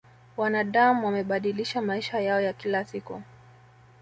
wanadam wamebadilisha maisha yao ya kila siku